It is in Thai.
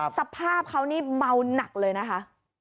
สภาพเขานี่เมาหนักเลยนะคะ